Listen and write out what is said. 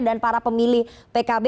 dan para pemilih pkb